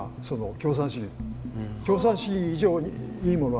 共産主義以上にいいものはないと。